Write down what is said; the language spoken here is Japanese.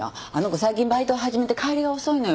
最近バイトを始めて帰りが遅いのよ。